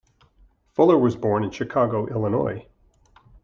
Fuller was born in Chicago, Illinois.